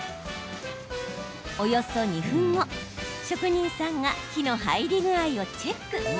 およそ２分後、職人さんが火の入り具合をチェック。